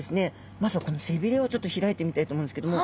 まずはこの背びれをちょっと開いてみたいと思うんですけども。